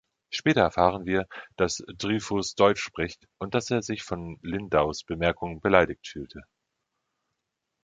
Später erfahren wir, das Dryfoos Deutsch spricht und dass er sich von Lindaus Bemerkungen beleidigt fühlte.